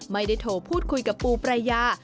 ไม่ได้โทรพูดคุยกับปูปรายา